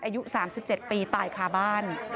อายุ๓๗ปีตายคาบ้าน